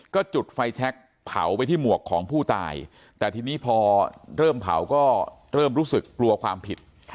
ก็จุดไฟแชคเผาไปที่หมวกของผู้ตายแต่ทีนี้พอเริ่มเผาก็เริ่มรู้สึกกลัวความผิด